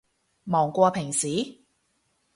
忙過平時？